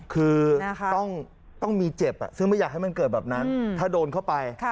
คือต้องมีเจ็บซึ่งไม่อยากให้มันเกิดแบบนั้นถ้าโดนเข้าไป